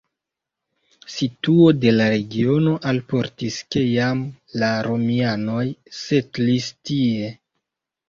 Situo de la regiono alportis, ke jam la romianoj setlis tie.